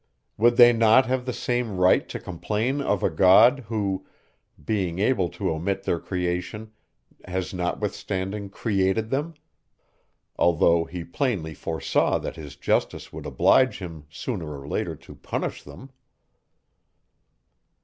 Would they not have the same right to complain of a God, who, being able to omit their creation, has notwithstanding created them, although he plainly foresaw that his justice would oblige him, sooner or later, to punish them?